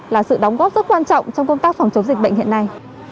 là sự đóng góp rất quan trọng trong công tác phòng chống dịch bệnh hiện nay